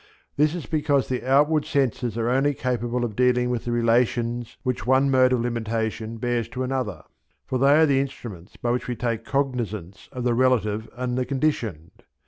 This is because the outward senses are only capable of dealing with the relations which one mode of limitation bears to another, for they are the instruments by which we take cognizance of the relative and the conditioned.